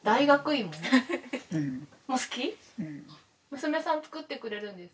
娘さん作ってくれるんです？